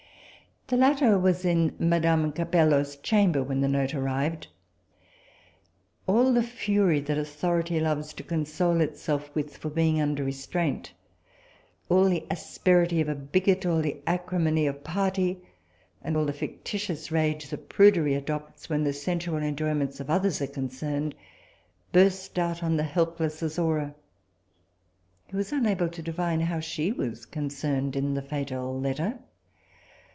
The latter was in madame Capello's chamber when the note arrived. All the fury that authority loves to console itself with for being under restraint, all the asperity of a bigot, all the acrimony of party, and all the fictitious rage that prudery adopts when the sensual enjoyments of others are concerned, burst out on the helpless Azora, who was unable to divine how she was concerned in the fatal letter.